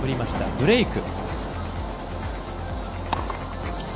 ブレーク。